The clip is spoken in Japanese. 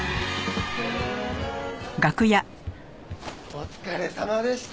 お疲れさまでした。